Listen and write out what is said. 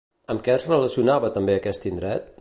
Amb què es relacionava també aquest indret?